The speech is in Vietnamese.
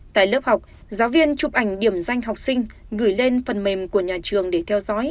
tại lớp học giáo viên chụp ảnh điểm danh học sinh gửi lên phần mềm của nhà trường để theo dõi